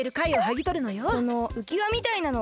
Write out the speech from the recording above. このうきわみたいなのは？